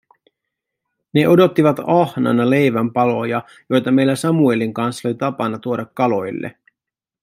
Ne odottivat ahnaina leivän paloja, joita meillä Samuelin kanssa oli tapana tuoda kaloille.